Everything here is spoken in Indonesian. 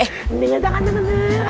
eh ini enggak enggak